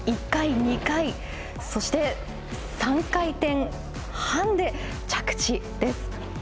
１回、２回そして、３回転半で着地です。